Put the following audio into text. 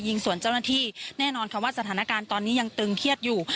ส่วนเจ้าหน้าที่แน่นอนค่ะว่าสถานการณ์ตอนนี้ยังตึงเครียดอยู่